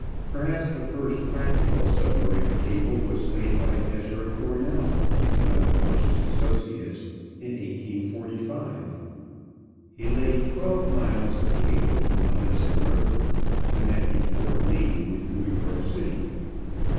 Perhaps the first practical submarine cable was laid by Ezra Cornell, one of Morse's associates, in 1845. He laid twelve miles of cable in the Hudson River, connecting Fort Lee with New York City.